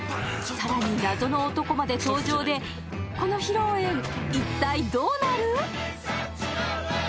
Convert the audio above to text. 更に謎の男まで登場で、この披露宴一体どうなる？